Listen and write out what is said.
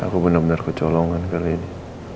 aku benar benar kecolongan ke lady